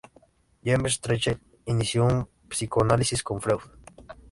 James Strachey inició un psicoanálisis con Freud.